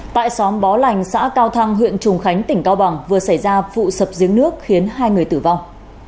tại xóm bó lành xã cao thăng huyện trùng khánh tỉnh cao bằng vừa xảy ra vụ sập giếng nước khiến hai người tử vong